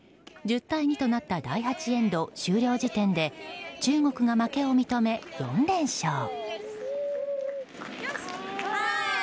１０対２となった第８エンド終了時点で中国が負けを認め、４連勝。